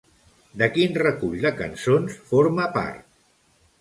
De quin recull de cançons forma part?